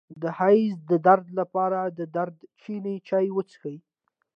د حیض د درد لپاره د دارچینی چای وڅښئ